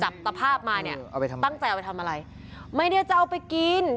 ตภาพมาเนี่ยเอาไปทำตั้งใจเอาไปทำอะไรไม่ได้จะเอาไปกิน